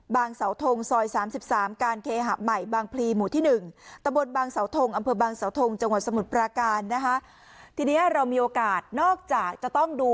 บางเสาทงซอย๓๓การเคหับใหม่บางพลีหมู่ที่หนึ่ง